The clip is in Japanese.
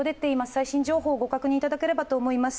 最新情報をご確認いただければと思います。